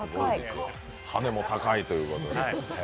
羽根も高いということで。